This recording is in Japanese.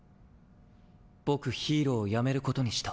僕ヒーローを辞めることにした。